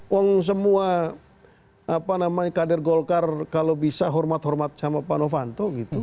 wong semua kader golkar kalau bisa hormat hormat sama pak novanto gitu